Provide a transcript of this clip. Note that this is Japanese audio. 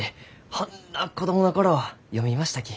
ほんの子供の頃読みましたき。